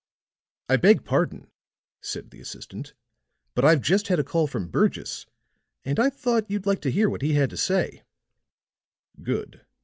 "I beg pardon," said the assistant, "but I've just had a call from Burgess, and I thought you'd like to hear what he had to say." "Good.